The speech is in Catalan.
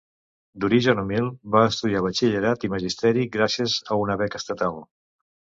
D'origen humil, va estudiar batxillerat i magisteri gràcies a una beca estatal.